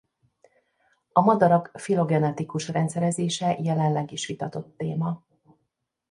A madarak filogenetikus rendszerezése jelenleg is vitatott téma.